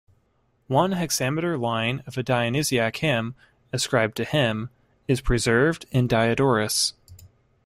One hexameter line of a Dionysiac hymn, ascribed to him, is preserved in Diodorus.